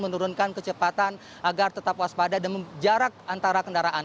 menurunkan kecepatan agar tetap waspada dan jarak antara kendaraan